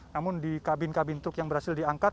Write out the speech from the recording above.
namun di kabin kabin truk yang berhasil diangkat